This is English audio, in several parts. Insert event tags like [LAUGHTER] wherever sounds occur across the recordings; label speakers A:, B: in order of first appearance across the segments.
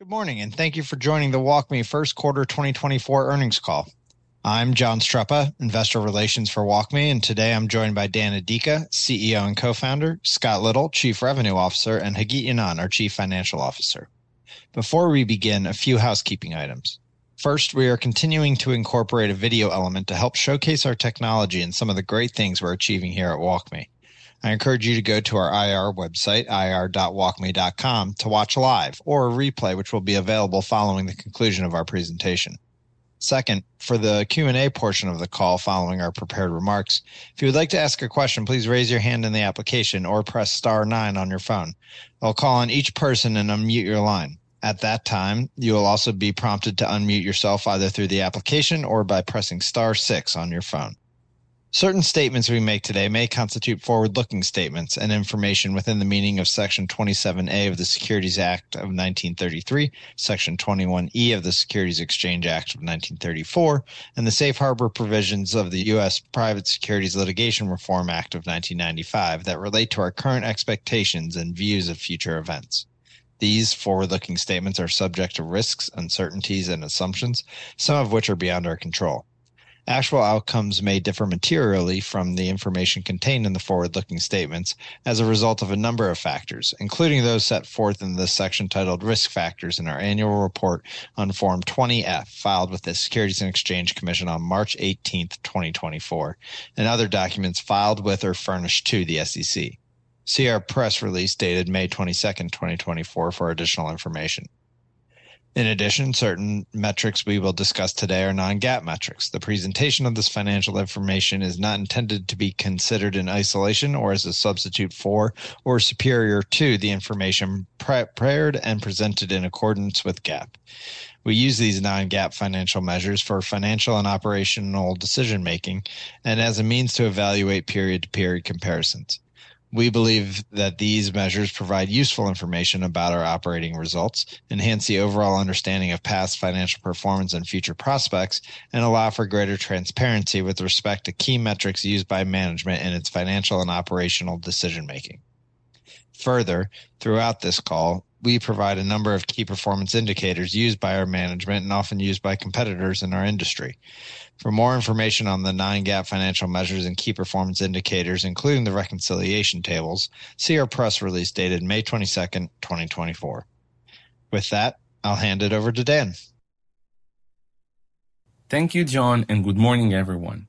A: Good morning, and thank you for joining the WalkMe first quarter 2024 earnings call. I'm John Streppa, Investor Relations for WalkMe, and today I'm joined by Dan Adika, CEO and Co-founder, Scott Little, Chief Revenue Officer, and Hagit Yanon, our Chief Financial Officer. Before we begin, a few housekeeping items. First, we are continuing to incorporate a video element to help showcase our technology and some of the great things we're achieving here at WalkMe. I encourage you to go to our IR website, ir.walkme.com, to watch live or a replay, which will be available following the conclusion of our presentation. Second, for the Q&A portion of the call following our prepared remarks, if you would like to ask a question, please raise your hand in the application or press star nine on your phone. I'll call on each person and unmute your line. At that time, you will also be prompted to unmute yourself either through the application or by pressing star six on your phone. Certain statements we make today may constitute forward-looking statements and information within the meaning of Section 27A of the Securities Act of 1933, Section 21E of the Securities Exchange Act of 1934, and the safe harbor provisions of the U.S. Private Securities Litigation Reform Act of 1995 that relate to our current expectations and views of future events. These forward-looking statements are subject to risks, uncertainties, and assumptions, some of which are beyond our control. Actual outcomes may differ materially from the information contained in the forward-looking statements as a result of a number of factors, including those set forth in the section titled Risk Factors in our annual report on Form 20-F, filed with the Securities and Exchange Commission on March 18th, 2024, and other documents filed with or furnished to the SEC. See our press release, dated May 22nd, 2024, for additional information. In addition, certain metrics we will discuss today are non-GAAP metrics. The presentation of this financial information is not intended to be considered in isolation or as a substitute for or superior to the information prepared and presented in accordance with GAAP. We use these non-GAAP financial measures for financial and operational decision-making and as a means to evaluate period-to-period comparisons. We believe that these measures provide useful information about our operating results, enhance the overall understanding of past financial performance and future prospects, and allow for greater transparency with respect to key metrics used by management in its financial and operational decision-making. Further, throughout this call, we provide a number of key performance indicators used by our management and often used by competitors in our industry. For more information on the non-GAAP financial measures and key performance indicators, including the reconciliation tables, see our press release, dated May 22nd, 2024. With that, I'll hand it over to Dan.
B: Thank you, John, and good morning, everyone.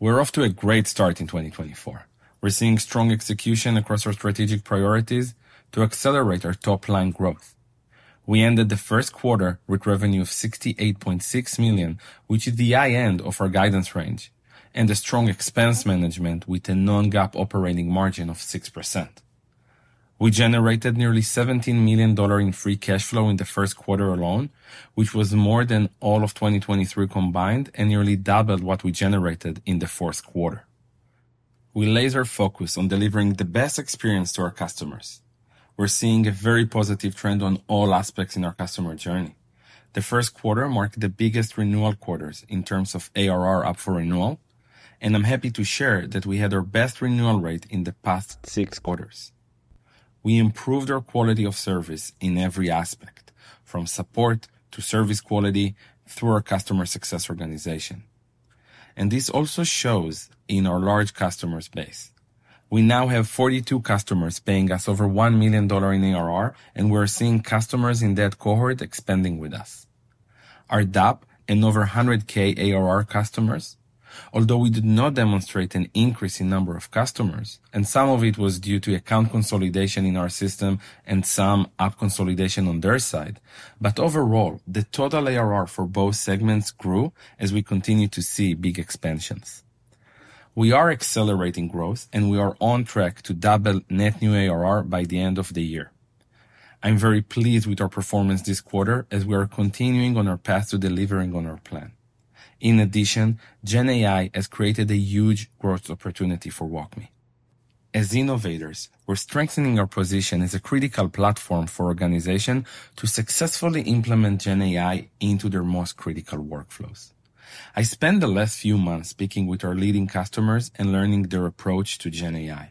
B: We're off to a great start in 2024. We're seeing strong execution across our strategic priorities to accelerate our top-line growth. We ended the first quarter with revenue of $68.6 million, which is the high end of our guidance range, and a strong expense management with a non-GAAP operating margin of 6%. We generated nearly $17 million in free cash flow in the first quarter alone, which was more than all of 2023 combined and nearly double what we generated in the fourth quarter. We laser-focus on delivering the best experience to our customers. We're seeing a very positive trend on all aspects in our customer journey. The first quarter marked the biggest renewal quarters in terms of ARR up for renewal, and I'm happy to share that we had our best renewal rate in the past six quarters. We improved our quality of service in every aspect, from support to service quality through our customer success organization, and this also shows in our large customer base. We now have 42 customers paying us over $1 million in ARR, and we're seeing customers in that cohort expanding with us. Our DAP and over 100,000 ARR customers, although we did not demonstrate an increase in number of customers, and some of it was due to account consolidation in our system and some app consolidation on their side. But overall, the total ARR for both segments grew as we continued to see big expansions. We are accelerating growth, and we are on track to double net new ARR by the end of the year. I'm very pleased with our performance this quarter as we are continuing on our path to delivering on our plan. In addition, GenAI has created a huge growth opportunity for WalkMe. As innovators, we're strengthening our position as a critical platform for organization to successfully implement GenAI into their most critical workflows. I spent the last few months speaking with our leading customers and learning their approach to GenAI.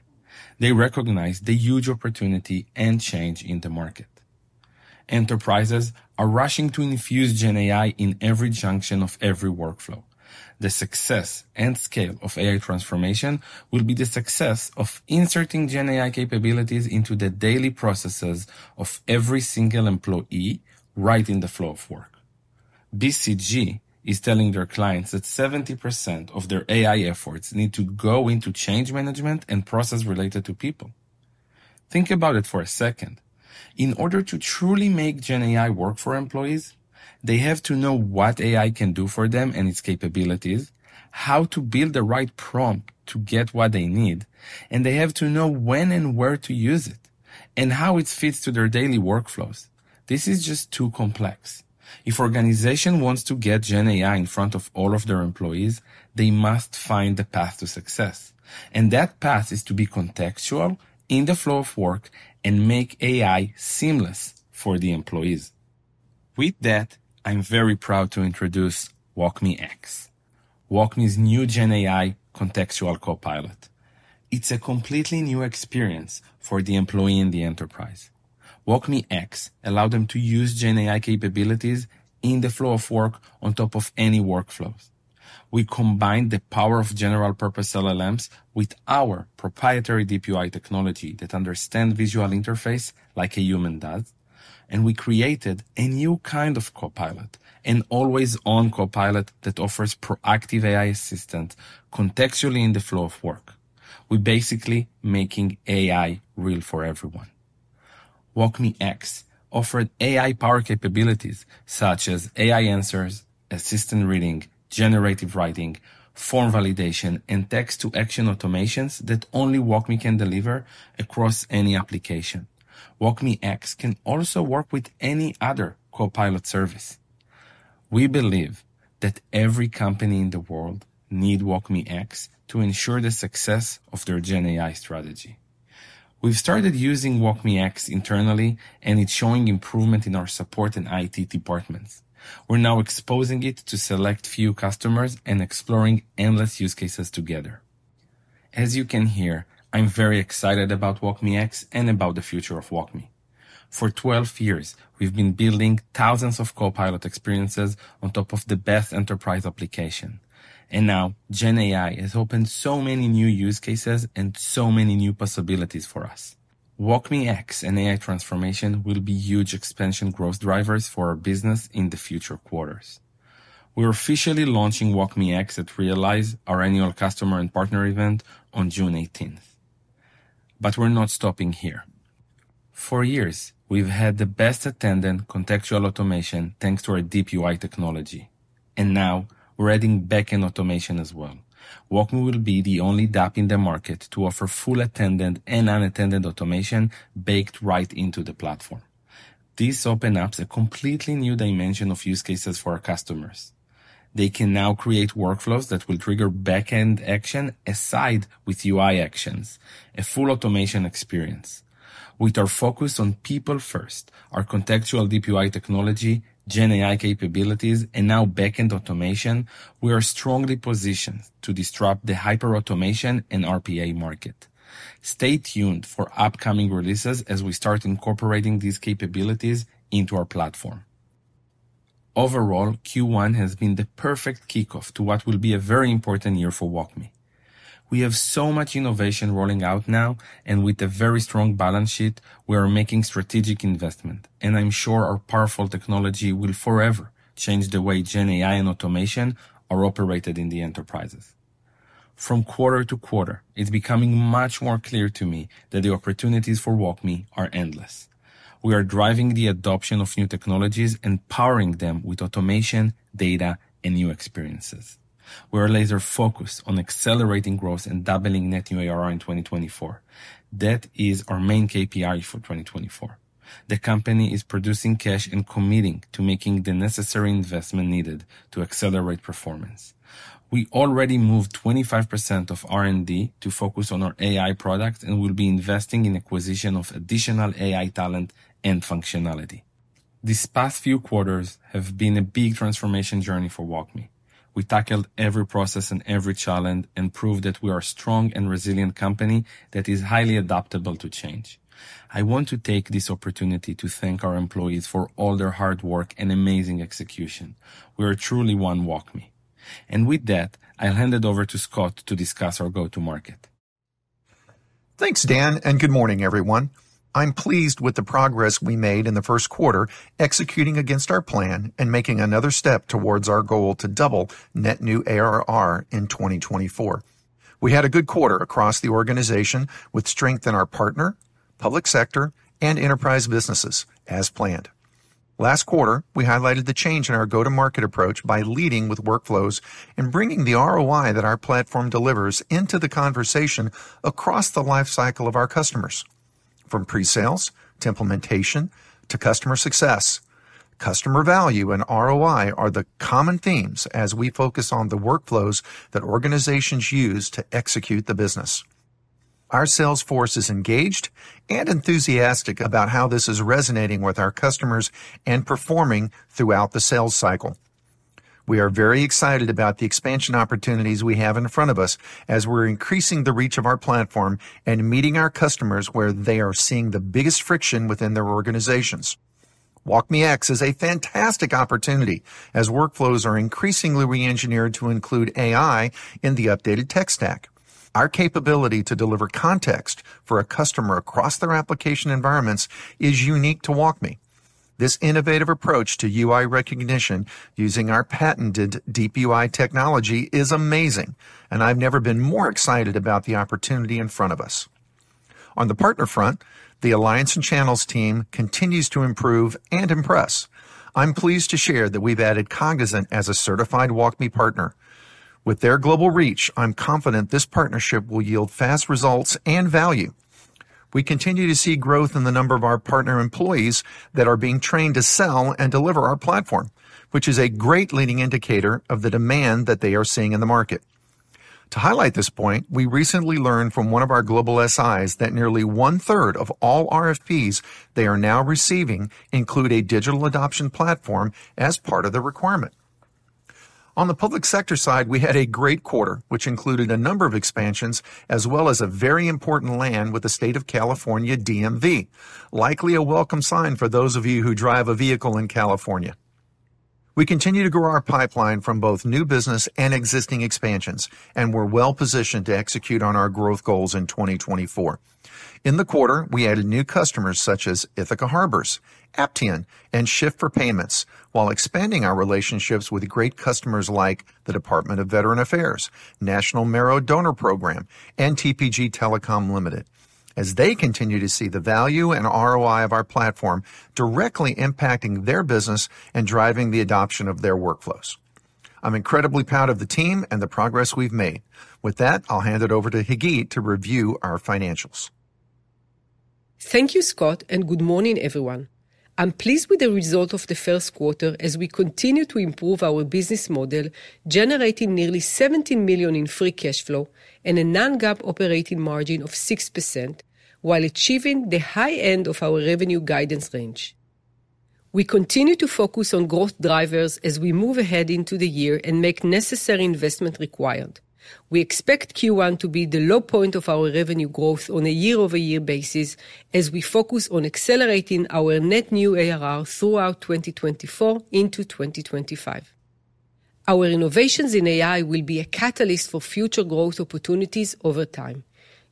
B: They recognize the huge opportunity and change in the market. Enterprises are rushing to infuse GenAI in every junction of every workflow. The success and scale of AI transformation will be the success of inserting GenAI capabilities into the daily processes of every single employee, right in the flow of work. BCG is telling their clients that 70% of their AI efforts need to go into change management and process related to people. Think about it for a second. In order to truly make GenAI work for employees, they have to know what AI can do for them and its capabilities, how to build the right prompt to get what they need, and they have to know when and where to use it and how it fits to their daily workflows. This is just too complex. If organization wants to get GenAI in front of all of their employees, they must find the path to success, and that path is to be contextual in the flow of work and make AI seamless for the employees. With that, I'm very proud to introduce WalkMe(X), WalkMe's new GenAI contextual copilot. It's a completely new experience for the employee in the enterprise. WalkMe(X) allow them to use GenAI capabilities in the flow of work on top of any workflows. We combine the power of general-purpose LLMs with our proprietary DeepUI technology that understand visual interface like a human does, and we created a new kind of copilot, an always-on copilot that offers proactive AI assistant contextually in the flow of work. We're basically making AI real for everyone. WalkMe(X) offered AI-powered capabilities such as AI answers, assistant reading, generative writing, form validation, and text-to-action automations that only WalkMe can deliver across any application. WalkMe(X) can also work with any other copilot service. We believe that every company in the world need WalkMe(X) to ensure the success of their GenAI strategy. We've started using WalkMe(X) internally, and it's showing improvement in our support and IT departments. We're now exposing it to a select few customers and exploring endless use cases together. As you can hear, I'm very excited about WalkMe(X) and about the future of WalkMe. For 12 years, we've been building thousands of copilot experiences on top of the best enterprise application, and now GenAI has opened so many new use cases and so many new possibilities for us. WalkMe(X) and AI transformation will be huge expansion growth drivers for our business in the future quarters. We're officially launching WalkMe(X) at Realize, our annual customer and partner event on June eighteenth, but we're not stopping here. For years, we've had the best in-tandem contextual automation, thanks to our DeepUI technology, and now we're adding backend automation as well. WalkMe will be the only DAP in the market to offer full attended and unattended automation baked right into the platform. This opens up a completely new dimension of use cases for our customers. They can now create workflows that will trigger back-end actions alongside UI actions, a full automation experience. With our focus on people first, our contextual DeepUI technology, GenAI capabilities, and now backend automation, we are strongly positioned to disrupt the hyperautomation and RPA market. Stay tuned for upcoming releases as we start incorporating these capabilities into our platform. Overall, Q1 has been the perfect kickoff to what will be a very important year for WalkMe. We have so much innovation rolling out now, and with a very strong balance sheet, we are making strategic investment, and I'm sure our powerful technology will forever change the way GenAI and automation are operated in the enterprises. From quarter to quarter, it's becoming much more clear to me that the opportunities for WalkMe are endless. We are driving the adoption of new technologies and powering them with automation, data, and new experiences. We are laser-focused on accelerating growth and doubling net new ARR in 2024. That is our main KPI for 2024. The company is producing cash and committing to making the necessary investment needed to accelerate performance. We already moved 25% of R&D to focus on our AI products and will be investing in acquisition of additional AI talent and functionality. These past few quarters have been a big transformation journey for WalkMe. We tackled every process and every challenge and proved that we are a strong and resilient company that is highly adaptable to change. I want to take this opportunity to thank our employees for all their hard work and amazing execution. We are truly one WalkMe. With that, I'll hand it over to Scott to discuss our go-to-market.
C: Thanks, Dan, and good morning, everyone. I'm pleased with the progress we made in the first quarter, executing against our plan and making another step towards our goal to double net new ARR in 2024. We had a good quarter across the organization with strength in our partner, public sector, and enterprise businesses, as planned. Last quarter, we highlighted the change in our go-to-market approach by leading with workflows and bringing the ROI that our platform delivers into the conversation across the life cycle of our customers, from pre-sales to implementation, to customer success. Customer value and ROI are the common themes as we focus on the workflows that organizations use to execute the business. Our sales force is engaged and enthusiastic about how this is resonating with our customers and performing throughout the sales cycle. We are very excited about the expansion opportunities we have in front of us as we're increasing the reach of our platform and meeting our customers where they are seeing the biggest friction within their organizations. WalkMe(X) is a fantastic opportunity as workflows are increasingly reengineered to include AI in the updated tech stack. Our capability to deliver context for a customer across their application environments is unique to WalkMe. This innovative approach to UI recognition using our patented DeepUI technology is amazing, and I've never been more excited about the opportunity in front of us. On the partner front, the alliance and channels team continues to improve and impress. I'm pleased to share that we've added Cognizant as a certified WalkMe partner. With their global reach, I'm confident this partnership will yield fast results and value. We continue to see growth in the number of our partner employees that are being trained to sell and deliver our platform, which is a great leading indicator of the demand that they are seeing in the market. To highlight this point, we recently learned from one of our global SIs that nearly one-third of all RFPs they are now receiving include a digital adoption platform as part of the requirement. On the public sector side, we had a great quarter, which included a number of expansions, as well as a very important land with the State of California DMV. Likely a welcome sign for those of you who drive a vehicle in California. We continue to grow our pipeline from both new business and existing expansions, and we're well-positioned to execute on our growth goals in 2024. In the quarter, we added new customers such as Ithaka Harbors, Aptean, and Shift4 Payments, while expanding our relationships with great customers like the Department of Veterans Affairs, National Marrow Donor Program, and TPG Telecom Limited, as they continue to see the value and ROI of our platform directly impacting their business and driving the adoption of their workflows. I'm incredibly proud of the team and the progress we've made. With that, I'll hand it over to Hagit to review our financials.
D: Thank you, Scott, and good morning, everyone. I'm pleased with the result of the first quarter as we continue to improve our business model, generating nearly $17 million in free cash flow and a non-GAAP operating margin of 6%, while achieving the high end of our revenue guidance range. We continue to focus on growth drivers as we move ahead into the year and make necessary investment required. We expect Q1 to be the low point of our revenue growth on a year-over-year basis, as we focus on accelerating our net new ARR throughout 2024 into 2025. Our innovations in AI will be a catalyst for future growth opportunities over time.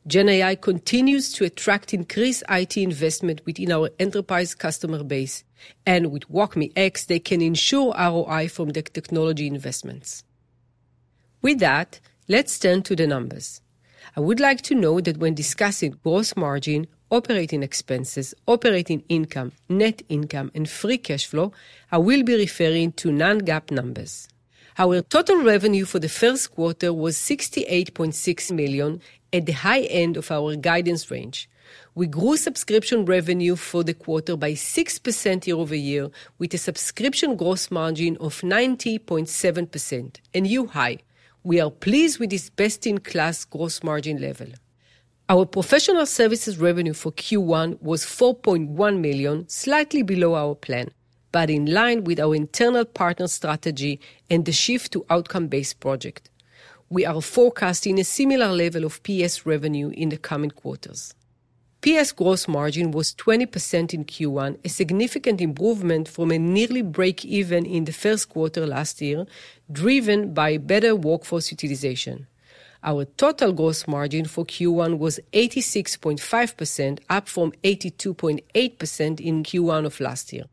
D: GenAI continues to attract increased IT investment within our enterprise customer base, and with WalkMe(X), they can ensure ROI from the technology investments. With that, let's turn to the numbers. I would like to note that when discussing gross margin, operating expenses, operating income, net income, and free cash flow, I will be referring to non-GAAP numbers. Our total revenue for the first quarter was $68.6 million, at the high end of our guidance range. We grew subscription revenue for the quarter by 6% year over year, with a subscription gross margin of 90.7%, a new high. We are pleased with this best-in-class gross margin level. Our professional services revenue for Q1 was $4.1 million, slightly below our plan, but in line with our internal partner strategy and the shift to outcome-based project. We are forecasting a similar level of PS revenue in the coming quarters. PS gross margin was 20% in Q1, a significant improvement from a nearly break-even in the first quarter last year, driven by better workforce utilization. Our total gross margin for Q1 was 86.5%, up from 82.8% in Q1 of last year.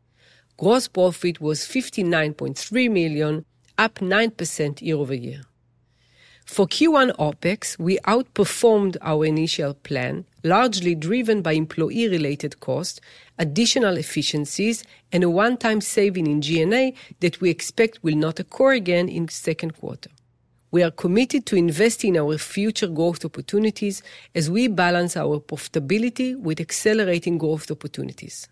D: Gross profit was $59.3 million, up 9% year-over-year. For Q1 OpEx, we outperformed our initial plan, largely driven by employee-related costs, additional efficiencies, and a one-time saving in G&A that we expect will not occur again in the second quarter. We are committed to investing in our future growth opportunities as we balance our profitability with accelerating growth opportunities.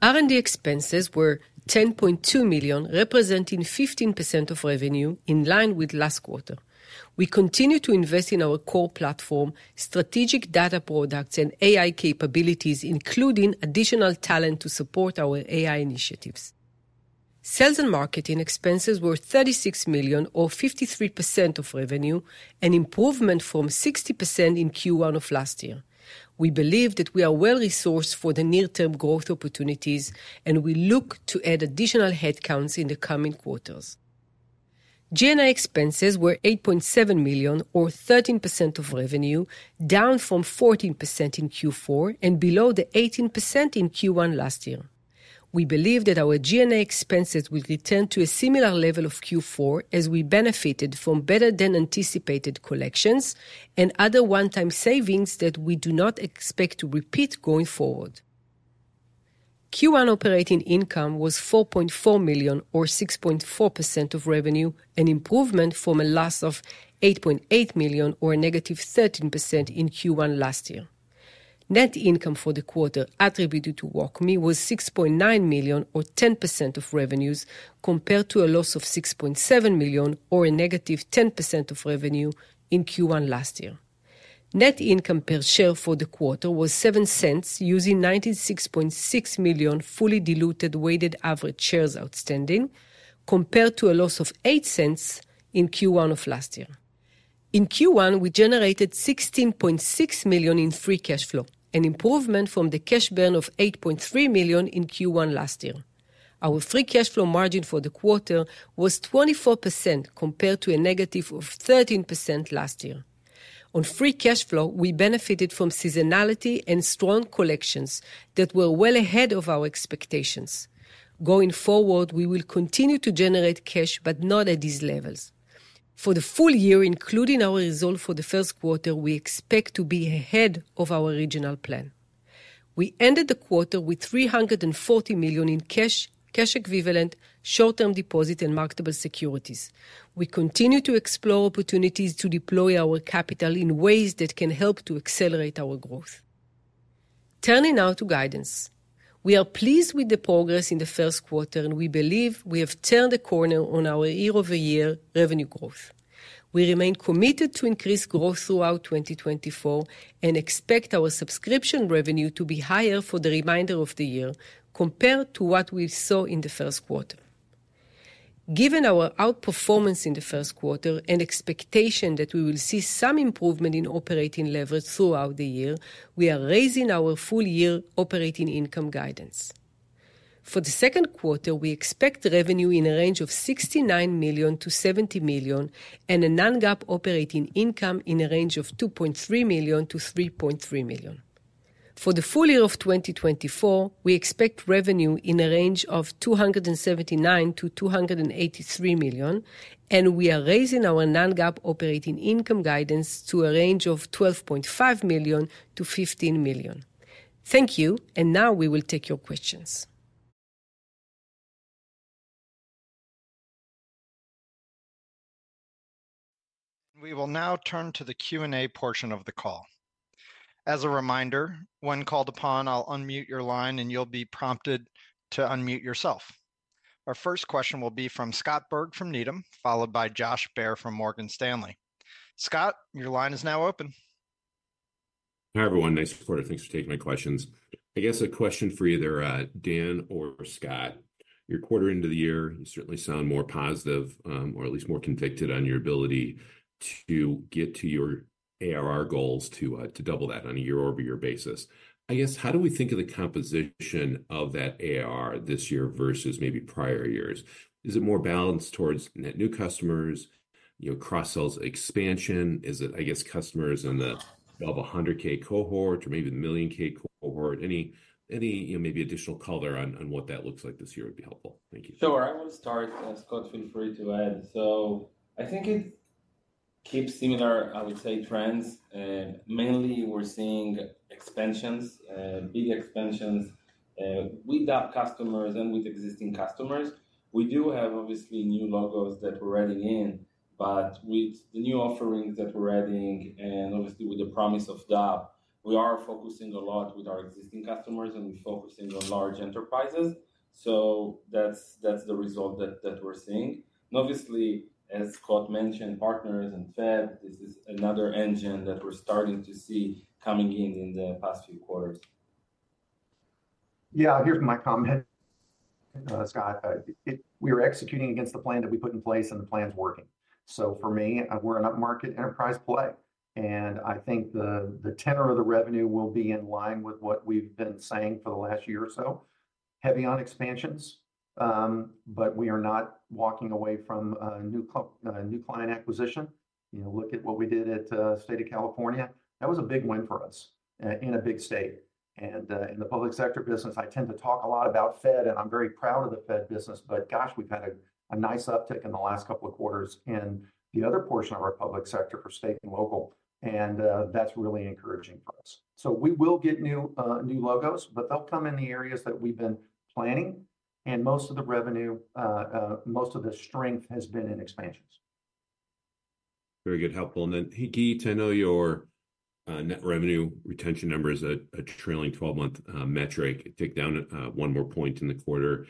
D: R&D expenses were $10.2 million, representing 15% of revenue, in line with last quarter. We continue to invest in our core platform, strategic data products, and AI capabilities, including additional talent to support our AI initiatives. Sales and marketing expenses were $36 million or 53% of revenue, an improvement from 60% in Q1 of last year. We believe that we are well-resourced for the near-term growth opportunities, and we look to add additional headcounts in the coming quarters. G&A expenses were $8.7 million or 13% of revenue, down from 14% in Q4 and below the 18% in Q1 last year. We believe that our G&A expenses will return to a similar level of Q4 as we benefited from better-than-anticipated collections and other one-time savings that we do not expect to repeat going forward. Q1 operating income was $4.4 million or 6.4% of revenue, an improvement from a loss of $8.8 million or a -13% in Q1 last year. Net income for the quarter attributed to WalkMe was $6.9 million or 10% of revenues, compared to a loss of $6.7 million or a -10% of revenue in Q1 last year. Net income per share for the quarter was $0.07, using 96.6 million fully diluted weighted average shares outstanding, compared to a loss of $0.08 in Q1 of last year. In Q1, we generated $16.6 million in free cash flow, an improvement from the cash burn of $8.3 million in Q1 last year. Our free cash flow margin for the quarter was 24%, compared to a -13% last year. On free cash flow, we benefited from seasonality and strong collections that were well ahead of our expectations. Going forward, we will continue to generate cash, but not at these levels. For the full year, including our result for the first quarter, we expect to be ahead of our original plan. We ended the quarter with $340 million in cash, cash equivalent, short-term deposit, and marketable securities. We continue to explore opportunities to deploy our capital in ways that can help to accelerate our growth. Turning now to guidance. We are pleased with the progress in the first quarter, and we believe we have turned a corner on our year-over-year revenue growth. We remain committed to increased growth throughout 2024 and expect our subscription revenue to be higher for the remainder of the year compared to what we saw in the first quarter.... Given our outperformance in the first quarter and expectation that we will see some improvement in operating leverage throughout the year, we are raising our full-year operating income guidance. For the second quarter, we expect revenue in a range of $69 million-$70 million, and a non-GAAP operating income in a range of $2.3 million-$3.3 million. For the full year of 2024, we expect revenue in a range of $279 million-$283 million, and we are raising our non-GAAP operating income guidance to a range of $12.5 million-$15 million. Thank you, and now we will take your questions.
A: We will now turn to the Q&A portion of the call. As a reminder, when called upon, I'll unmute your line, and you'll be prompted to unmute yourself. Our first question will be from Scott Berg from Needham, followed by Josh Baer from Morgan Stanley. Scott, your line is now open.
E: Hi, everyone. Thanks for, thanks for taking my questions. I guess a question for either, Dan or Scott. You're a quarter into the year, you certainly sound more positive, or at least more convicted on your ability to get to your ARR goals to, to double that on a year-over-year basis. I guess, how do we think of the composition of that ARR this year versus maybe prior years? Is it more balanced towards net new customers, you know, cross-sells expansion? Is it, I guess, customers in the above 100,000 cohort or maybe the 1 million cohort? Any, you know, maybe additional color on, what that looks like this year would be helpful. Thank you.
B: Sure, I will start, Scott, feel free to add. So I think it keeps similar, I would say, trends, mainly we're seeing expansions, big expansions, with DAP customers and with existing customers. We do have, obviously, new logos that we're adding in, but with the new offerings that we're adding and obviously with the promise of DAP, we are focusing a lot with our existing customers, and we're focusing on large enterprises. So that's, that's the result that, that we're seeing. And obviously, as Scott mentioned, partners and Fed, this is another engine that we're starting to see coming in in the past few quarters.
C: Yeah, here's my comment, Scott. We are executing against the plan that we put in place, and the plan's working. So for me, we're an upmarket enterprise play, and I think the tenor of the revenue will be in line with what we've been saying for the last year or so, heavy on expansions, but we are not walking away from new client acquisition. You know, look at what we did at State of California. That was a big win for us in a big state. In the public sector business, I tend to talk a lot about Fed, and I'm very proud of the Fed business, but gosh, we've had a nice uptick in the last couple of quarters in the other portion of our public sector for state and local, and that's really encouraging for us. So we will get new logos, but they'll come in the areas that we've been planning, and most of the revenue, most of the strength has been in expansions.
E: Very good, helpful. And then, hey, Hagit, I know your net revenue retention number is a trailing-twelve-month metric. It ticked down one more point in the quarter.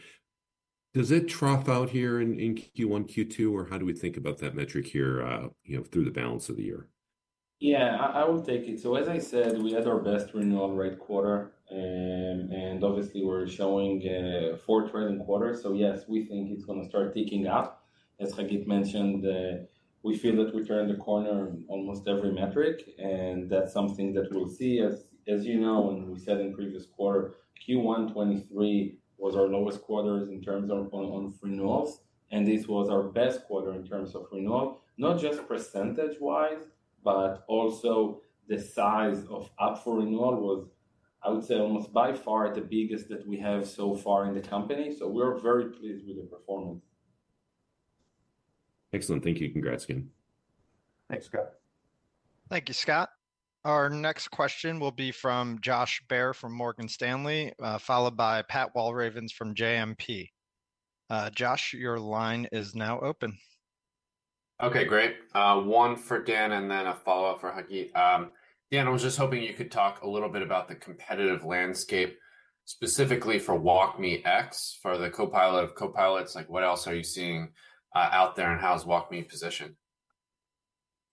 E: Does it trough out here in Q1, Q2, or how do we think about that metric here, you know, through the balance of the year?
B: Yeah, I will take it. So as I said, we had our best renewal rate quarter, and obviously we're showing fourth quarter in quarter. So yes, we think it's gonna start ticking up. As Hagit mentioned, we feel that we turned the corner on almost every metric, and that's something that we'll see. As you know, and we said in previous quarter, Q1 2023 was our lowest quarters in terms of on renewals, and this was our best quarter in terms of renewal. Not just percentage-wise, but also the size of up for renewal was, I would say, almost by far the biggest that we have so far in the company. So we're very pleased with the performance.
E: Excellent. Thank you. Congrats again.
C: Thanks, Scott.
A: Thank you, Scott. Our next question will be from Josh Baer from Morgan Stanley, followed by Pat Walravens from JMP. Josh, your line is now open.
F: Okay, great. One for Dan and then a follow-up for Hagit. Dan, I was just hoping you could talk a little bit about the competitive landscape, specifically for WalkMe(X), for the copilot of copilots. Like, what else are you seeing out there, and how is WalkMe positioned?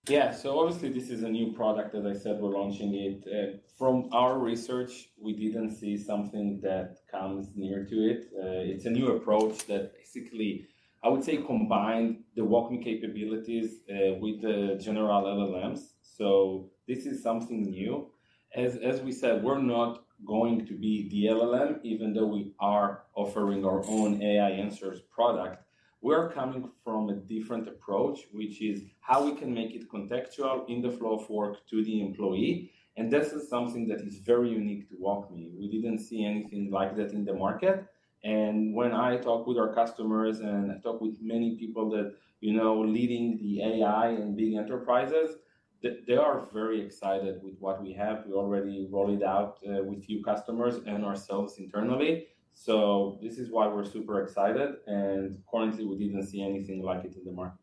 B: Yeah. So obviously, this is a new product that I said we're launching it. From our research, we didn't see something that comes near to it. It's a new approach that basically, I would say, combine the WalkMe capabilities with the general LLMs. So this is something new. As, as we said, we're not going to be the LLM, even though we are offering our own AI answers product. We're coming from a different approach, which is how we can make it contextual in the flow of work to the employee, and this is something that is very unique to WalkMe. We didn't see anything like that in the market, and when I talk with our customers and I talk with many people that, you know, leading the AI and big enterprises, they, they are very excited with what we have. We already rolled it out, with few customers and ourselves internally. So this is why we're super excited, and currently, we didn't see anything like it in the market.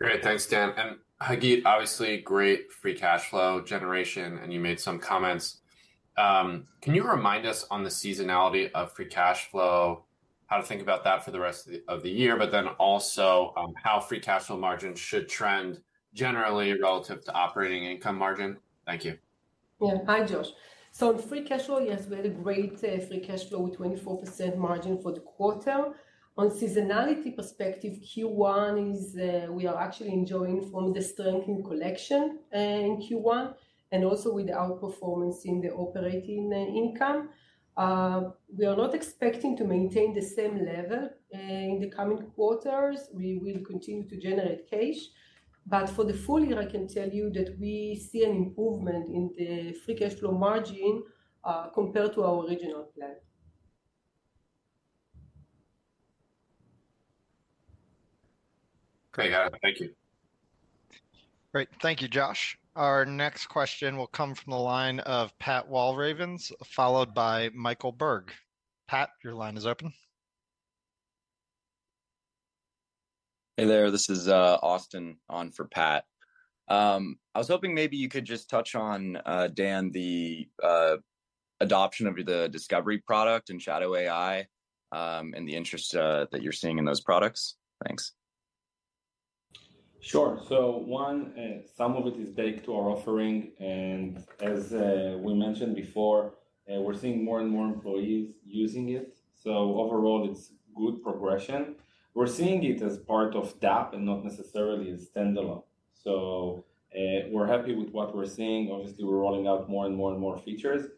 F: Great. Thanks, Dan. And Hagit, obviously, great free cash flow generation, and you made some comments. Can you remind us on the seasonality of free cash flow, how to think about that for the rest of the year, but then also, how free cash flow margins should trend generally relative to operating income margin? Thank you....
D: Yeah. Hi, Josh. So on free cash flow, yes, we had a great free cash flow, 24% margin for the quarter. On seasonality perspective, Q1 is, we are actually enjoying from the strength in collection in Q1 and also with outperformance in the operating income. We are not expecting to maintain the same level in the coming quarters. We will continue to generate cash, but for the full year, I can tell you that we see an improvement in the free cash flow margin compared to our original plan.
F: Great. Thank you.
A: Great. Thank you, Josh. Our next question will come from the line of Pat Walravens, followed by Michael Berg. Pat, your line is open.
G: Hey there, this is Austin on for Pat. I was hoping maybe you could just touch on Dan, the adoption of the Discovery product and Shadow AI, and the interest that you're seeing in those products. Thanks.
B: Sure. So one, some of it is baked to our offering, and as, we mentioned before, we're seeing more and more employees using it, so overall, it's good progression. We're seeing it as part of DAP and not necessarily a standalone. So, we're happy with what we're seeing. Obviously, we're rolling out more and more and more features,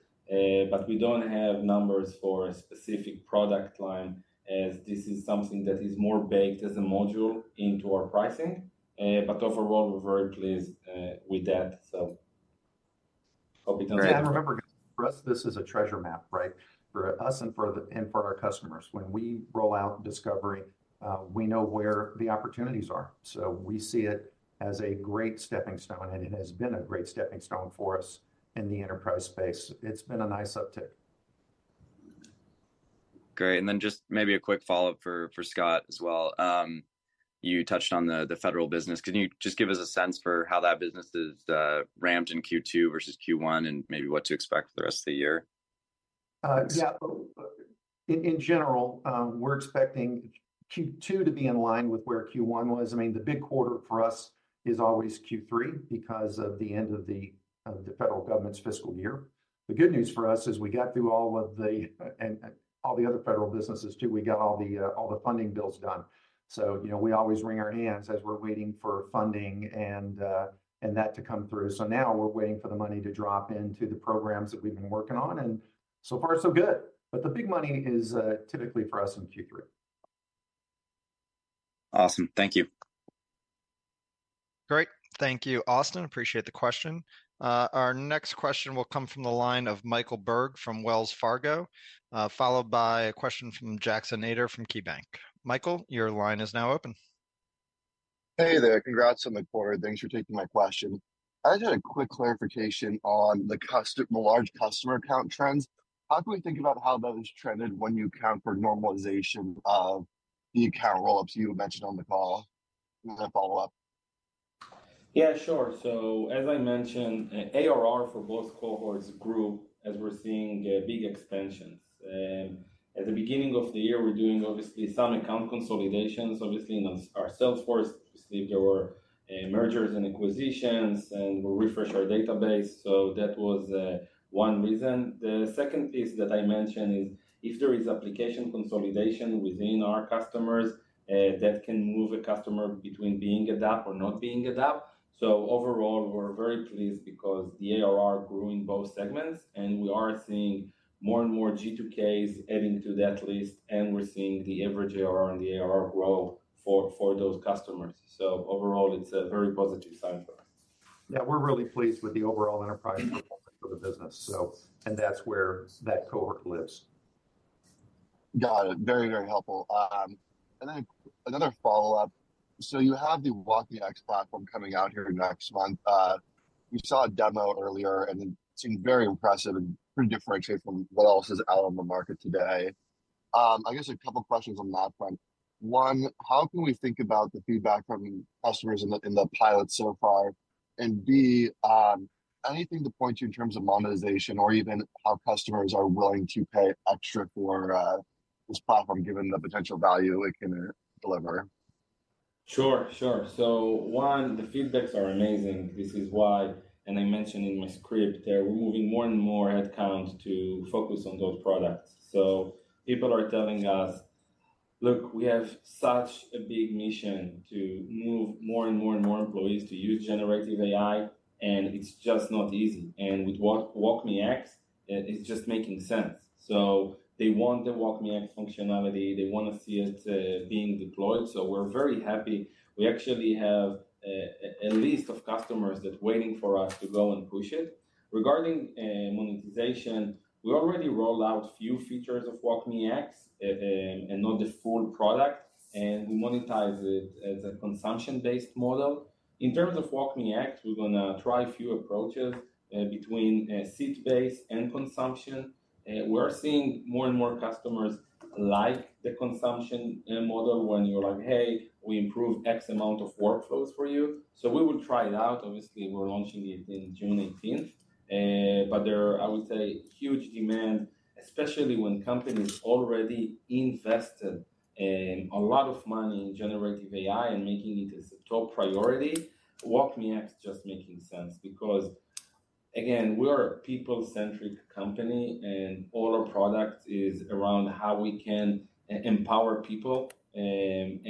B: but we don't have numbers for a specific product line as this is something that is more baked as a module into our pricing. But overall, we're very pleased, with that. So hope it answers-
C: And remember, for us, this is a treasure map, right? For us and for the... and for our customers. When we roll out Discovery, we know where the opportunities are, so we see it as a great stepping stone, and it has been a great stepping stone for us in the enterprise space. It's been a nice uptick.
G: Great. And then just maybe a quick follow-up for Scott as well. You touched on the federal business. Can you just give us a sense for how that business is ramped in Q2 versus Q1, and maybe what to expect for the rest of the year?
C: Yeah. In general, we're expecting Q2 to be in line with where Q1 was. I mean, the big quarter for us is always Q3 because of the end of the federal government's fiscal year. The good news for us is we got through all of the, and all the other federal businesses, too. We got all the funding bills done. So, you know, we always wring our hands as we're waiting for funding and that to come through. So now we're waiting for the money to drop into the programs that we've been working on, and so far, so good. But the big money is typically for us in Q3.
G: Awesome. Thank you.
A: Great. Thank you, Austin. Appreciate the question. Our next question will come from the line of Michael Berg from Wells Fargo, followed by a question from Jackson Ader from KeyBanc. Michael, your line is now open.
H: Hey there. Congrats on the quarter. Thanks for taking my question. I just had a quick clarification on the large customer account trends. How can we think about how that has trended when you account for normalization of the account roll-ups you mentioned on the call? And then follow up.
B: Yeah, sure. So as I mentioned, ARR for both cohorts grew as we're seeing big expansions. At the beginning of the year, we're doing obviously some account consolidation, obviously, on our Salesforce. Obviously, there were mergers and acquisitions, and we refresh our database, so that was one reason. The second piece that I mentioned is if there is application consolidation within our customers, that can move a customer between being a DAP or not being a DAP. So overall, we're very pleased because the ARR grew in both segments, and we are seeing more and more G2Ks adding to that list, and we're seeing the average ARR and the ARR grow for those customers. So overall, it's a very positive sign for us.
C: Yeah, we're really pleased with the overall enterprise performance for the business, so... And that's where that cohort lives.
H: Got it. Very, very helpful. And then another follow-up: so you have the WalkMe(X) platform coming out here next month. We saw a demo earlier, and it seemed very impressive and pretty differentiated from what else is out on the market today. I guess a couple questions on that front. One, how can we think about the feedback from customers in the pilot so far? And B, anything to point to in terms of monetization or even how customers are willing to pay extra for this platform, given the potential value it can deliver?
B: Sure, sure. So one, the feedbacks are amazing. This is why, and I mentioned in my script, we're moving more and more headcounts to focus on those products. So people are telling us, "Look, we have such a big mission to move more and more and more employees to use generative AI, and it's just not easy. And with Walk, WalkMe(X), it's just making sense." So they want the WalkMe(X) functionality. They want to see it, being deployed, so we're very happy. We actually have a list of customers that's waiting for us to go and push it. Regarding monetization, we already rolled out few features of WalkMe(X), and not the full product, and we monetize it as a consumption-based model. In terms of WalkMe(X), we're gonna try a few approaches, between seat base and consumption. We're seeing more and more customers like the consumption model when you're like, "Hey, we improved X amount of workflows for you." So we will try it out. Obviously, we're launching it in June eighteenth, but there are, I would say, huge demand, especially when companies already invested in a lot of money in generative AI and making it as a top priority, WalkMe(X) just making sense. Because, again, we are a people-centric company, and all our products is around how we can empower people and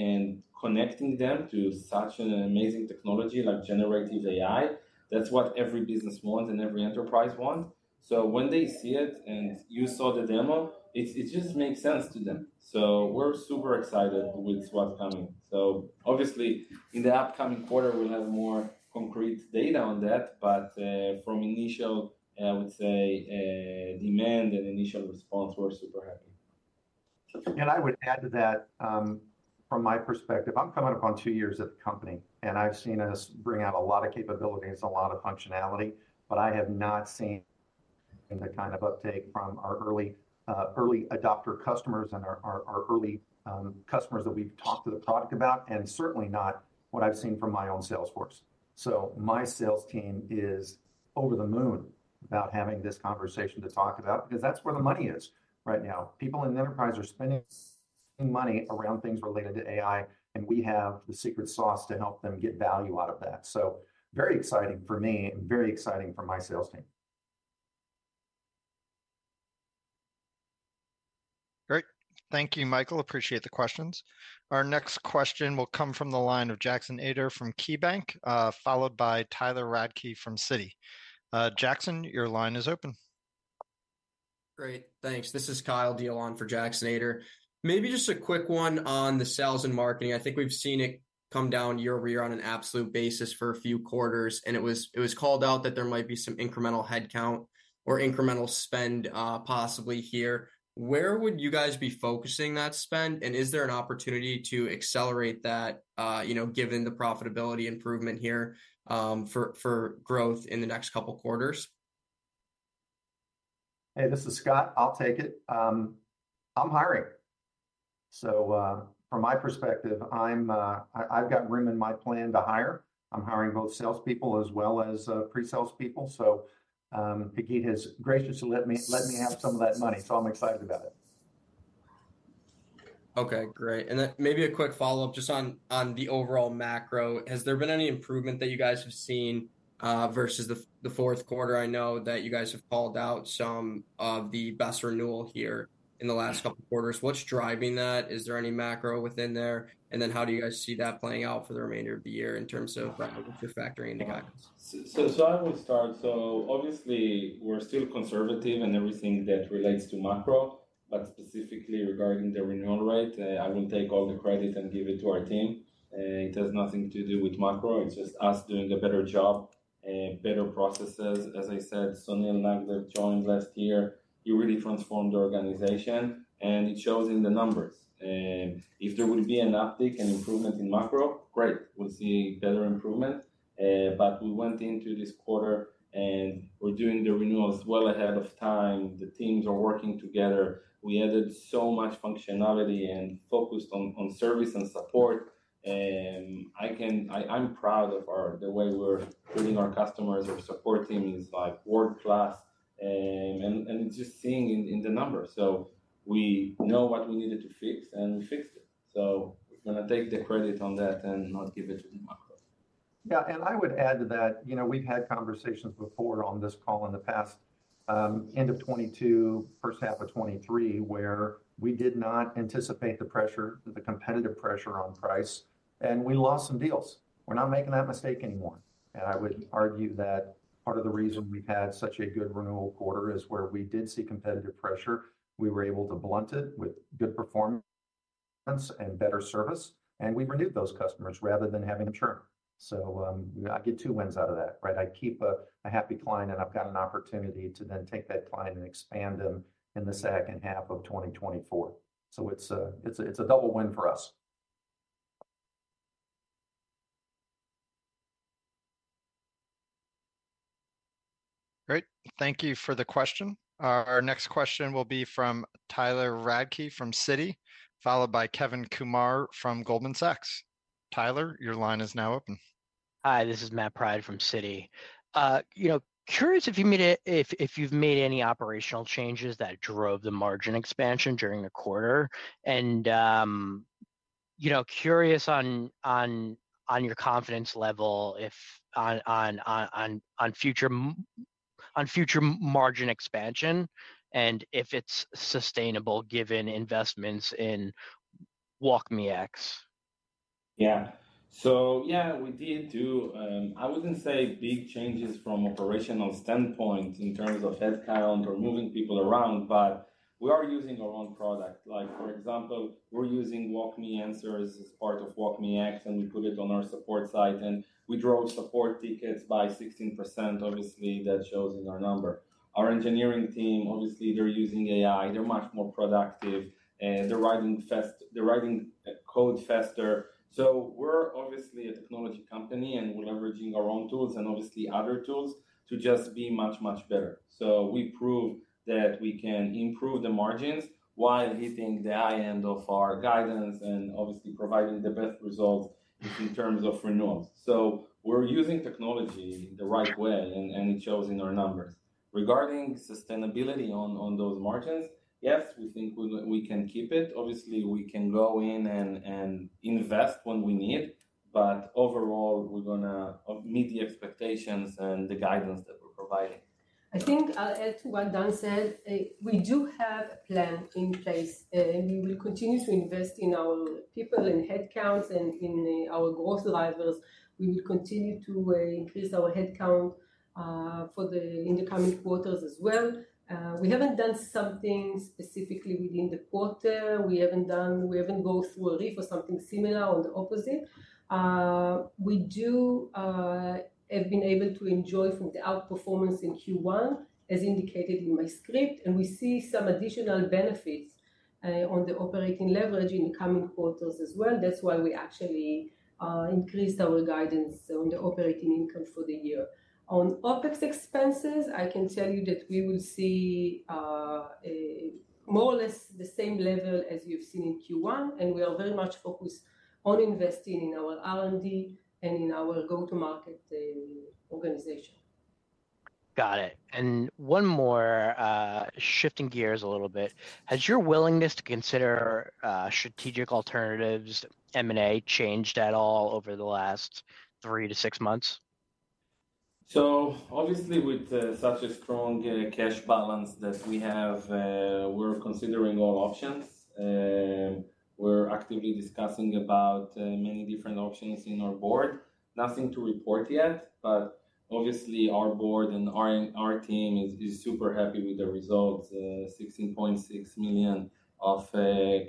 B: connecting them to such an amazing technology like generative AI. That's what every business wants and every enterprise wants. So when they see it, and you saw the demo, it, it just makes sense to them. So we're super excited with what's coming. So obviously, in the upcoming quarter, we'll have more concrete data on that, but from initial, I would say, demand and initial response, we're super happy.
C: And I would add to that, from my perspective, I'm coming up on two years at the company, and I've seen us bring out a lot of capabilities and a lot of functionality, but I have not seen the kind of uptake from our early adopter customers and our early customers that we've talked to the product about, and certainly not what I've seen from my own sales force. So my sales team is over the moon about having this conversation to talk about, because that's where the money is right now. People in the enterprise are spending money around things related to AI, and we have the secret sauce to help them get value out of that. So very exciting for me and very exciting for my sales team.
A: Great. Thank you, Michael. Appreciate the questions. Our next question will come from the line of Jackson Ader from KeyBanc, followed by Tyler Radke from Citi. Jackson, your line is open.
I: Great, thanks. This is Kyle Diehl for Jackson Ader. Maybe just a quick one on the sales and marketing. I think we've seen it come down year-over-year on an absolute basis for a few quarters, and it was called out that there might be some incremental headcount or incremental spend, possibly here. Where would you guys be focusing that spend, and is there an opportunity to accelerate that, you know, given the profitability improvement here, for growth in the next couple quarters?
C: Hey, this is Scott. I'll take it. I'm hiring. So, from my perspective, I've got room in my plan to hire. I'm hiring both salespeople as well as pre-salespeople. So, Piggy has graciously let me have some of that money, so I'm excited about it.
I: Okay, great. And then maybe a quick follow-up just on the overall macro. Has there been any improvement that you guys have seen versus the fourth quarter? I know that you guys have called out some of the best renewal here in the last couple quarters. What's driving that? Is there any macro within there? And then how do you guys see that playing out for the remainder of the year in terms of if you're factoring into guidance?
B: I will start. Obviously, we're still conservative in everything that relates to macro, but specifically regarding the renewal rate, I will take all the credit and give it to our team. It has nothing to do with macro. It's just us doing a better job, better processes. As I said, Sunil Nagdev joined last year. He really transformed the organization, and it shows in the numbers. If there will be an uptick, an improvement in macro, great, we'll see better improvement. But we went into this quarter, and we're doing the renewals well ahead of time. The teams are working together. We added so much functionality and focused on service and support, and I can... I'm proud of the way we're treating our customers. Our support team is, like, world-class, and just seeing in the numbers. We know what we needed to fix, and we fixed it. So I'm gonna take the credit on that and not give it to the macro.
C: Yeah, and I would add to that, you know, we've had conversations before on this call in the past, end of 2022, first half of 2023, where we did not anticipate the pressure, the competitive pressure on price, and we lost some deals. We're not making that mistake anymore, and I would argue that part of the reason we've had such a good renewal quarter is where we did see competitive pressure, we were able to blunt it with good performance and better service, and we renewed those customers rather than having them churn. So, I get two wins out of that, right? I keep a happy client, and I've got an opportunity to then take that client and expand them in the second half of 2024. So it's a double win for us.
A: Great. Thank you for the question. Our next question will be from Tyler Radke from Citi, followed by Kevin Kumar from Goldman Sachs. Tyler, your line is now open.
J: Hi, this is Matt Pride from Citi. You know, curious if you've made any operational changes that drove the margin expansion during the quarter, and you know, curious on your confidence level in future margin expansion, and if it's sustainable given investments in WalkMe(X).
B: Yeah. So yeah, we did do, I wouldn't say big changes from operational standpoint in terms of headcount or moving people around, but we are using our own product. Like, for example, we're using WalkMe Answers as part of WalkMe(X), and we put it on our support site, and we drove support tickets by 16%. Obviously, that shows in our number. Our engineering team, obviously, they're using AI. They're much more productive, they're writing code faster. So we're obviously a technology company, and we're leveraging our own tools and obviously other tools to just be much, much better. So we prove that we can improve the margins while hitting the high end of our guidance and obviously providing the best results in terms of renewals. So we're using technology the right way, and, and it shows in our numbers. Regarding sustainability on those margins, yes, we think we can keep it. Obviously, we can go in and invest when we need, but overall, we're gonna meet the expectations and the guidance that we're providing. ...
D: I think I'll add to what Dan said. We do have a plan in place, and we will continue to invest in our people and headcounts and in our growth drivers. We will continue to increase our headcount for the-- in the coming quarters as well. We haven't done something specifically within the quarter. We haven't done-- We haven't gone through a reorg or something similar or the opposite. We do have been able to enjoy from the outperformance in Q1, as indicated in my script, and we see some additional benefits on the operating leverage in the coming quarters as well. That's why we actually increased our guidance on the operating income for the year. On OpEx expenses, I can tell you that we will see a more or less the same level as you've seen in Q1, and we are very much focused on investing in our R&D and in our go-to-market organization.
J: Got it. One more, shifting gears a little bit. Has your willingness to consider, strategic alternatives, M&A, changed at all over the last three to six months?
B: Obviously, with such a strong cash balance that we have, we're considering all options. We're actively discussing about many different options in our board. Nothing to report yet, but obviously, our board and our team is super happy with the results. $16.6 million of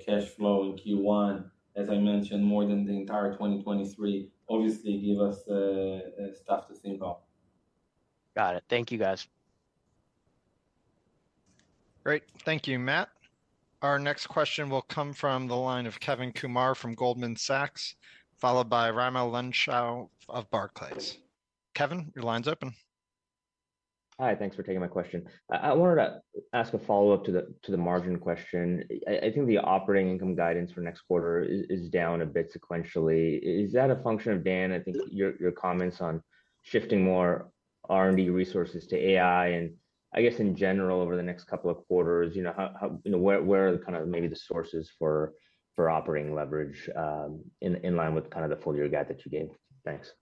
B: cash flow in Q1, as I mentioned, more than the entire 2023, obviously give us stuff to think about.
J: Got it. Thank you, guys.
A: Great. Thank you, Matt. Our next question will come from the line of Kevin Kumar from Goldman Sachs, followed by Raimo Lenschow of Barclays. Kevin, your line's open.
K: Hi, thanks for taking my question. I wanted to ask a follow-up to the margin question. I think the operating income guidance for next quarter is down a bit sequentially. Is that a function of, Dan, I think your comments on shifting more R&D resources to AI, and I guess in general, over the next couple of quarters, you know, how, where are the kind of maybe the sources for operating leverage in line with kind of the full-year guide that you gave? Thanks.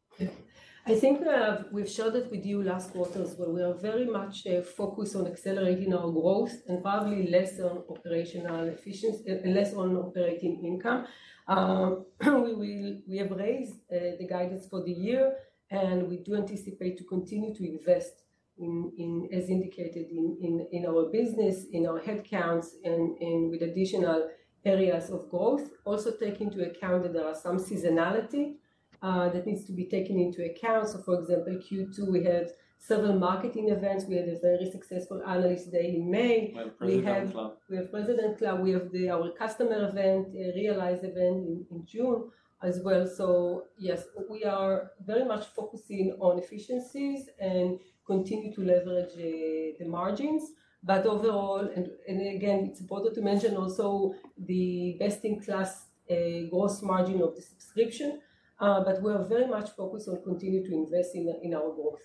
D: I think, we've showed it with you last quarter, as well. We are very much, focused on accelerating our growth and probably less on operational efficiency and less on operating income. We will—we have raised, the guidance for the year, and we do anticipate to continue to invest in, as indicated, our business, in our headcounts, and with additional areas of growth. Also take into account that there are some seasonality, that needs to be taken into account. So for example, Q2, we had several marketing events. We had a very successful Analyst Day in May.
B: We have President Club.
D: We have President Club. We have our customer event, a Realize event in June as well. So yes, we are very much focusing on efficiencies and continue to leverage the margins. But overall, and again, it's important to mention also the best-in-class gross margin of the subscription, but we are very much focused on continuing to invest in our growth.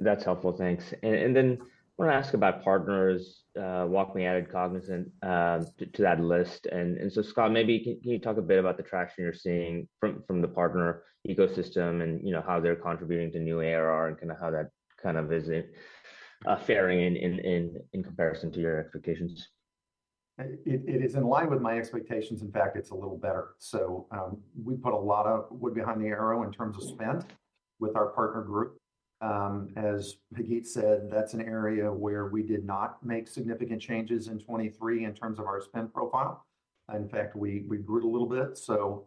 K: That's helpful. Thanks. And then I want to ask about partners. WalkMe added Cognizant to that list. And so, Scott, maybe can you talk a bit about the traction you're seeing from the partner ecosystem and, you know, how they're contributing to new ARR and kind of how that kind of is faring in comparison to your expectations?
C: It is in line with my expectations. In fact, it's a little better. So, we put a lot of wood behind the arrow in terms of spend with our partner group. As Hagit said, that's an area where we did not make significant changes in 2023 in terms of our spend profile. In fact, we grew it a little bit. So,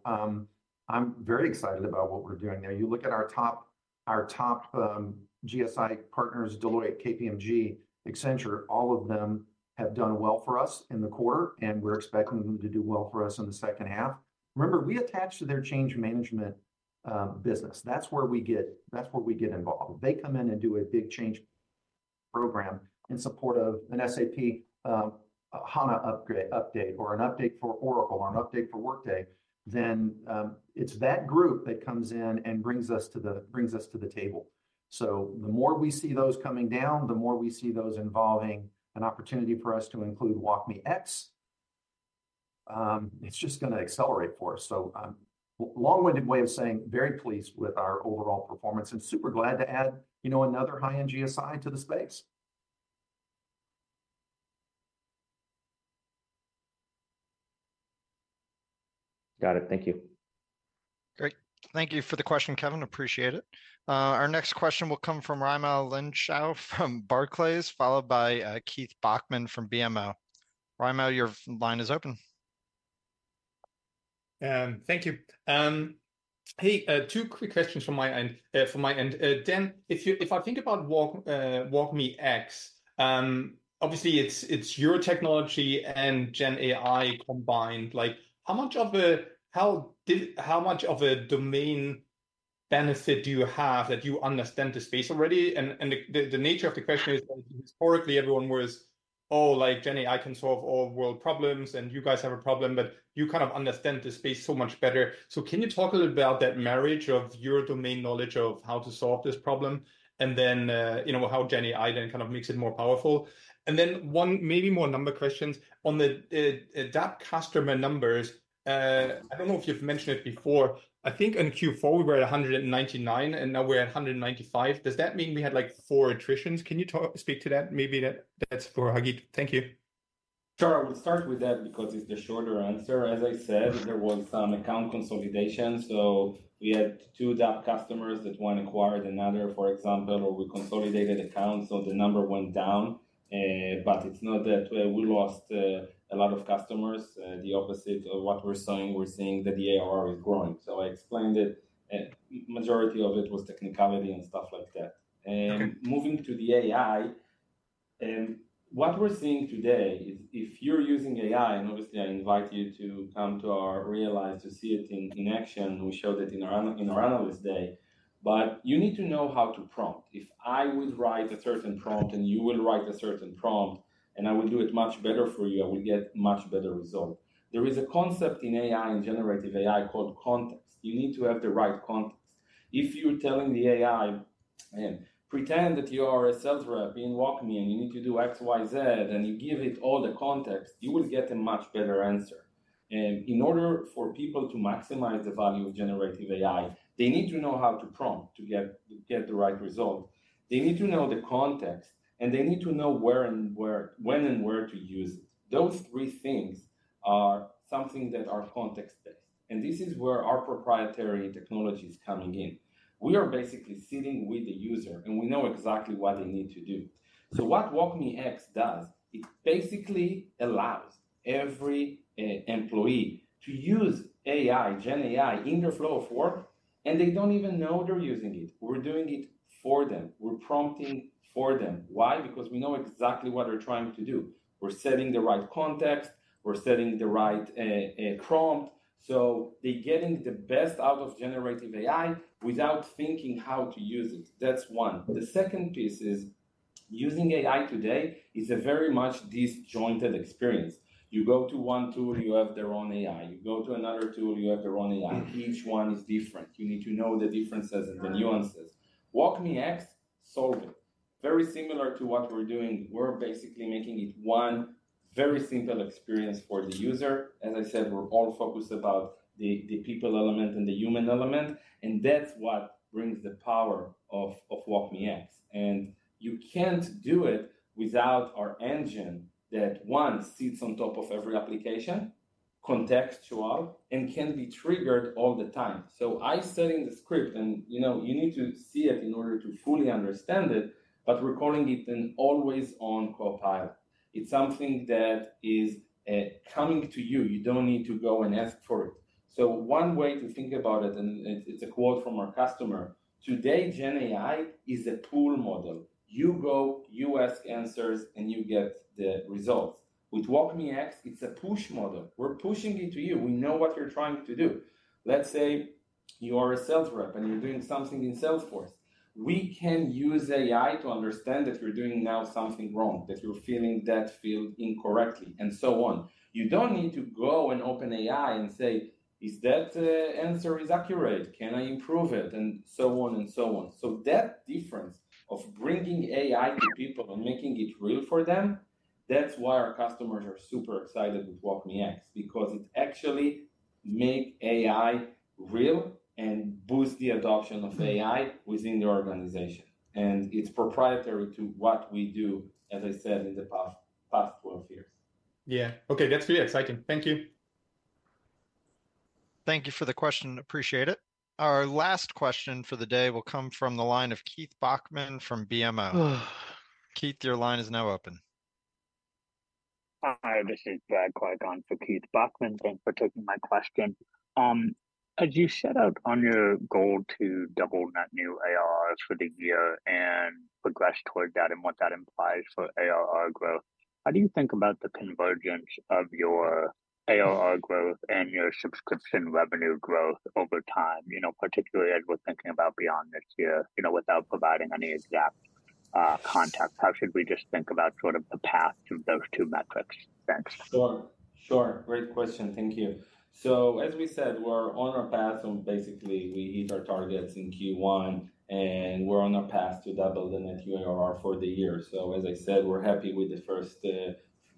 C: I'm very excited about what we're doing there. You look at our top GSI partners, Deloitte, KPMG, Accenture, all of them have done well for us in the quarter, and we're expecting them to do well for us in the second half. Remember, we attach to their change management business. That's where we get, that's where we get involved. They come in and do a big change program in support of an SAP HANA upgrade, update, or an update for Oracle or an update for Workday, then it's that group that comes in and brings us to the, brings us to the table. So the more we see those coming down, the more we see those involving an opportunity for us to include WalkMe(X). It's just gonna accelerate for us. So, long-winded way of saying very pleased with our overall performance and super glad to add, you know, another high-end GSI to the space.
K: Got it. Thank you.
A: Great. Thank you for the question, Kevin. Appreciate it. Our next question will come from Raimo Lenschow from Barclays, followed by, Keith Bachman from BMO. Raimo, your line is open.
L: Thank you. Hey, two quick questions from my end, from my end. Dan, if you, if I think about WalkMe(X), obviously it's your technology and GenAI combined. Like, how much of a domain benefit do you have that you understand the space already? And the nature of the question is, historically, everyone was, "Oh, like, GenAI can solve all world problems, and you guys have a problem," but you kind of understand the space so much better. So can you talk a little about that marriage of your domain knowledge of how to solve this problem, and then, you know, how GenAI then kind of makes it more powerful? And then one maybe more number questions. On the adopt customer numbers, I don't know if you've mentioned it before. I think in Q4, we were at 199, and now we're at 195. Does that mean we had, like, four attritions? Can you talk, speak to that? Maybe that, that's for Hagit. Thank you....
B: Sure, I will start with that because it's the shorter answer. As I said, there was some account consolidation, so we had two DAP customers that one acquired another, for example, or we consolidated accounts, so the number went down. But it's not that we lost a lot of customers. The opposite of what we're seeing, we're seeing that the ARR is growing. So I explained it. Majority of it was technicality and stuff like that.
L: Okay.
B: Moving to the AI, what we're seeing today is if you're using AI, and obviously, I invite you to come to our Realize to see it in action. We showed it in our Analyst Day, but you need to know how to prompt. If I would write a certain prompt, and you will write a certain prompt, and I will do it much better for you, I will get much better result. There is a concept in AI and generative AI called context. You need to have the right context. If you're telling the AI, pretend that you are a sales rep in WalkMe, and you need to do X, Y, Z, and you give it all the context, you will get a much better answer. In order for people to maximize the value of generative AI, they need to know how to prompt to get the right result. They need to know the context, and they need to know where and when and where to use it. Those three things are something that are context-based, and this is where our proprietary technology is coming in. We are basically sitting with the user, and we know exactly what they need to do. So what WalkMe(X) does, it basically allows every employee to use AI, GenAI in their flow of work, and they don't even know they're using it. We're doing it for them. We're prompting for them. Why? Because we know exactly what they're trying to do. We're setting the right context, we're setting the right prompt, so they're getting the best out of generative AI without thinking how to use it. That's one. The second piece is using AI today is a very much disjointed experience. You go to one tool, you have their own AI. You go to another tool, you have their own AI. Each one is different. You need to know the differences and the nuances. WalkMe(X) solve it. Very similar to what we're doing, we're basically making it one very simple experience for the user. As I said, we're all focused about the people element and the human element, and that's what brings the power of WalkMe(X). And you can't do it without our engine that one sits on top of every application, contextual, and can be triggered all the time. So I stated in the script, and, you know, you need to see it in order to fully understand it, but we're calling it an always-on copilot. It's something that is coming to you. You don't need to go and ask for it. So one way to think about it, and it, it's a quote from our customer, "Today, GenAI is a pull model. You go, you ask answers, and you get the results." With WalkMe(X), it's a push model. We're pushing it to you. We know what you're trying to do. Let's say you are a sales rep, and you're doing something in Salesforce. We can use AI to understand that you're doing now something wrong, that you're filling that field incorrectly, and so on. You don't need to go and open AI and say, "Is that answer is accurate? Can I improve it?" And so on and so on. So that difference of bringing AI to people and making it real for them, that's why our customers are super excited with WalkMe(X), because it actually make AI real and boost the adoption of AI within the organization, and it's proprietary to what we do, as I said, in the past, past 12 years.
L: Yeah. Okay, that's really exciting. Thank you.
A: Thank you for the question. Appreciate it. Our last question for the day will come from the line of Keith Bachman from BMO. Keith, your line is now open.
M: Hi, this is Brad [AUDIO DISTORTION] for Keith Bachman. Thanks for taking my question. As you set out on your goal to double net new ARR for the year and progress toward that and what that implies for ARR growth, how do you think about the convergence of your ARR growth and your subscription revenue growth over time? You know, particularly as we're thinking about beyond this year, you know, without providing any exact context, how should we just think about sort of the path to those two metrics? Thanks.
B: Sure. Sure. Great question. Thank you. So as we said, we're on our path, and basically, we hit our targets in Q1, and we're on a path to double the net new ARR for the year. So as I said, we're happy with the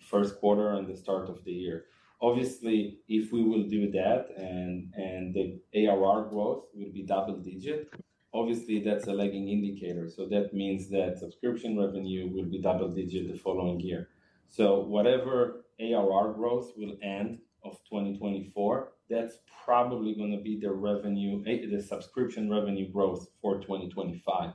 B: first quarter and the start of the year. Obviously, if we will do that, and, and the ARR growth will be double-digit, obviously, that's a lagging indicator, so that means that subscription revenue will be double-digit the following year. So whatever ARR growth will end of 2024, that's probably gonna be the revenue, the subscription revenue growth for 2025.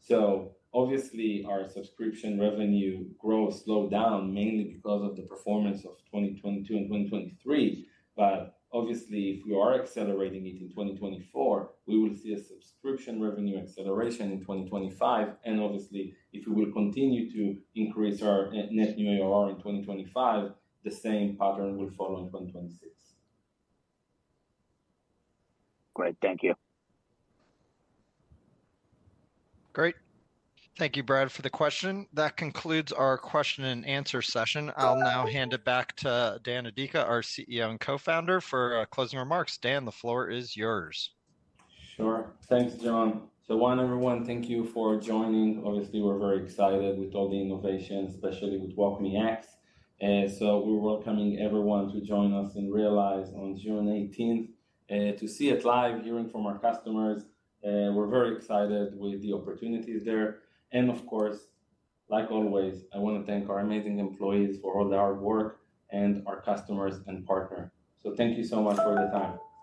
B: So obviously, our subscription revenue growth slowed down mainly because of the performance of 2022 and 2023. But obviously, if we are accelerating it in 2024, we will see a subscription revenue acceleration in 2025, and obviously, if we will continue to increase our net, net new ARR in 2025, the same pattern will follow in 2026.
M: Great. Thank you.
A: Great. Thank you, Brad, for the question. That concludes our question and answer session. I'll now hand it back to Dan Adika, our CEO and co-founder, for closing remarks. Dan, the floor is yours.
B: Sure. Thanks, John. So, everyone, thank you for joining. Obviously, we're very excited with all the innovations, especially with WalkMe(X). So we're welcoming everyone to join us in Realize on June eighteenth to see it live, hearing from our customers. We're very excited with the opportunities there. And of course, like always, I want to thank our amazing employees for all their hard work and our customers and partner. So thank you so much for the time.